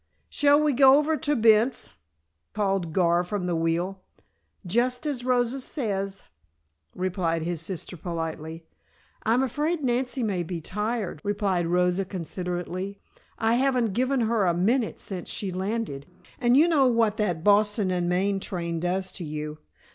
"Shall we go over to Bent's?" called Gar from the wheel. "Just as Rosa says," replied his sister politely. "I'm afraid Nancy may be tired," replied Rosa considerately. "I haven't given her a minute since she landed, and you know what that Boston and Maine train does to you.